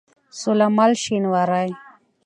سوله مل شينوارى